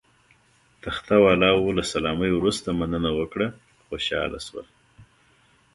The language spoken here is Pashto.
تخته والاو له سلامۍ وروسته مننه وکړه، خوشاله شول.